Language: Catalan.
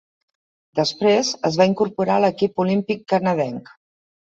Després es va incorporar a l'equip olímpic canadenc.